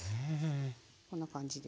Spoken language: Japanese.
こんな感じで。